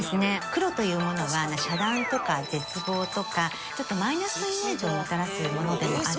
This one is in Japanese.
黒というものは遮断とか絶望とかちょっとマイナスなイメージをもたらすものでもあるんですね。